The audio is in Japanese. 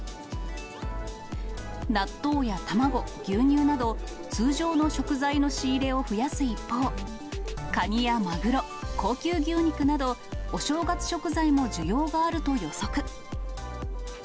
納豆や卵、牛乳など、通常の食材の仕入れを増やす一方、カニやマグロ、高級牛肉など、お正月食材も需要があると予測。